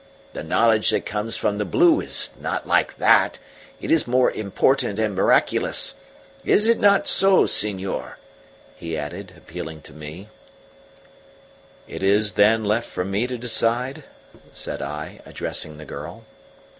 The knowledge that comes from the blue is not like that it is more important and miraculous. Is it not so, senor?" he ended, appealing to me. "Is it, then, left for me to decide?" said I, addressing the girl.